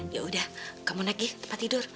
yaudah kamu naik ke tempat tidur